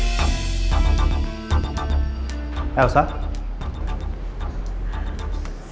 siial gue kalah cepet